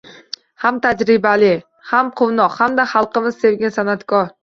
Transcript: Ham tajribali, ham quvnoq hamda xalqimiz sevgan san’atkor